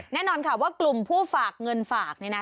แน่นอนค่ะว่ากลุ่มผู้ฝากเงินฝากนี่นะ